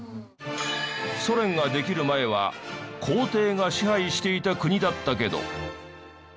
ソ連ができる前は皇帝が支配していた国だったけど。